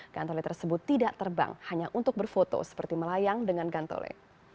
gantole tersebut tidak terbang hanya untuk berfoto seperti melayang dengan gantole